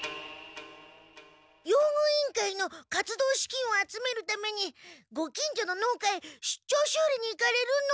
用具委員会の活動資金を集めるためにご近所の農家へ出張修理に行かれるの。